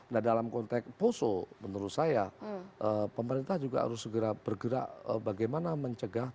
nah dalam konteks poso menurut saya pemerintah juga harus segera bergerak bagaimana mencegah